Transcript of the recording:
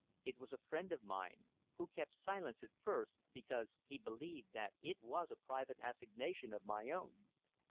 It was a friend of mine, who kept silence at first because he believed that it was a private assignation of my own.